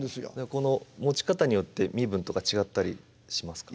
この持ち方によって身分とか違ったりしますか？